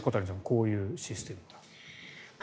こういうシステム。